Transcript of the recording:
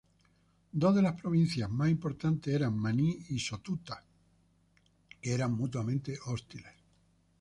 Dos de las provincias más importantes eran Maní y Sotuta, que eran mutuamente hostiles.